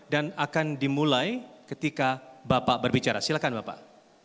dan akan dimulai ketika bapak berbicara silakan bapak